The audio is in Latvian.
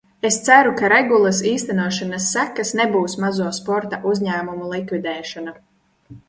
Es ceru, ka regulas īstenošanas sekas nebūs mazo sporta uzņēmumu likvidēšana.